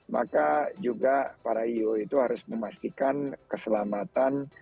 maka juga para i o itu harus memastikan keselamatan